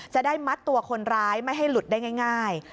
จะได้มัดตัวคนร้ายไม่ให้หลุดได้ง่าย